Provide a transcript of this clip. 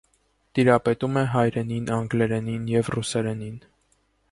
Տիրապետում է հայերենին, անգլերենին և ռուսերենին։